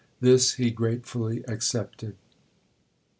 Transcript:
This he gratefully accepted.